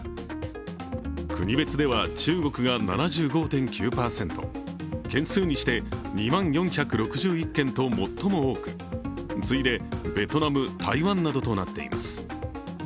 国別では中国が７５．９％件数にして２万４６１件と最も多く次いでベトナム、台湾などとなっています。